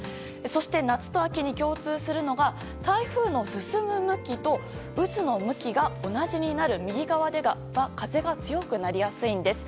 そして、夏と秋に共通するのが台風の進む向きと渦の向きが同じになる右側では風が強くなりやすいんです。